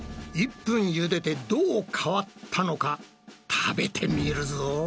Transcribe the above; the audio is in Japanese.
１分茹でてどう変わったのか食べてみるぞ。